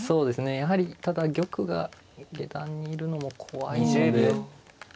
やはりただ玉が下段にいるのも怖いので。